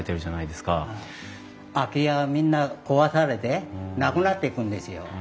空き家がみんな壊されてなくなっていくんですよ。